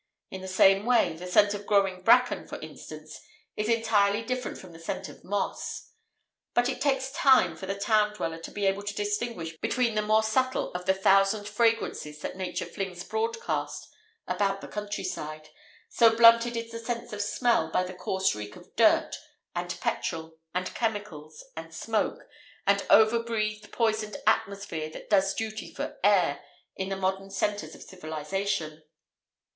In the same way, the scent of growing bracken—for instance—is entirely different from the scent of moss. But it takes time for the town dweller to be able to distinguish between the more subtle of the thousand fragrances that Nature flings broadcast about the countryside, so blunted is the sense of smell by the coarse reek of dirt, and petrol, and chemicals, and smoke, and over breathed poisoned atmosphere that does duty for "air" in the modern centres of civilisation.